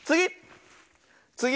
つぎ！